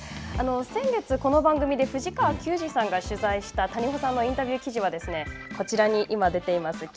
先月、この番組で藤川球児さんが取材した谷保さんのインタビュー記事はこちらに今、出ています